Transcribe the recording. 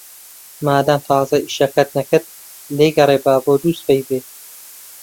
مادام تازە ئیشەکەت نەکرد، لێی گەڕێ با بۆ دووسبەی بێ.